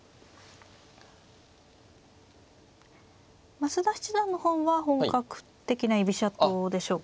増田七段の方は本格的な居飛車党でしょうか。